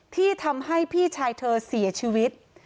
ที่ทำให้พี่ชายเธอเสียชีวิต